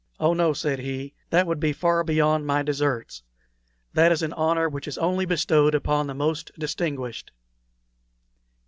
"Oh no," said he; "that would be far beyond my deserts. That is an honor which is only bestowed upon the most distinguished."